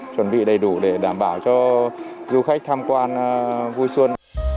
chuẩn bị đầy đủ để đảm bảo cho du khách tham quan vui xuân